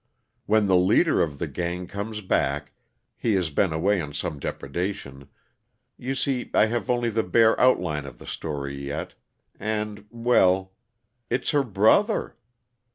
When the leader of the gang comes back he has been away on some depredation you see, I have only the bare outline of the story yet and, well, it's her brother!